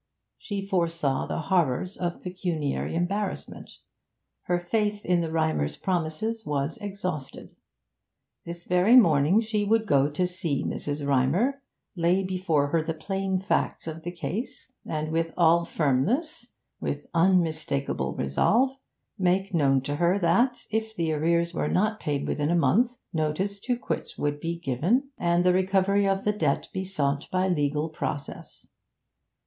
She foresaw the horrors of pecuniary embarrassment. Her faith in the Rymers' promises was exhausted. This very morning she would go to see Mrs. Rymer, lay before her the plain facts of the case, and with all firmness with unmistakable resolve make known to her that, if the arrears were not paid within a month, notice to quit would be given, and the recovery of the debt be sought by legal process.